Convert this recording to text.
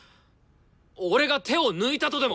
俺が手を抜いたとでも。